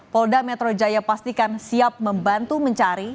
polda metro jaya pastikan siap membantu mencari